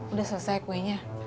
udah selesai kuenya